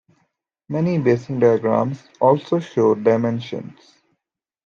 Many basing diagrams also show dimensions.